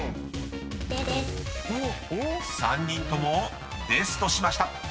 ［３人ともデスとしました］